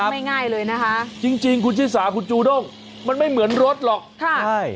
ไม่ง่ายเลยนะคะจริงจริงคุณชิสาคุณจูด้งมันไม่เหมือนรถหรอกค่ะใช่